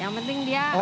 yang penting dia hancur